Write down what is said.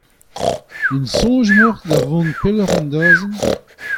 En soñj emaocʼh da vont pellocʼh en dazont ?